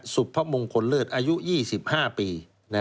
สุพมงคลเลิศอายุ๒๕ปี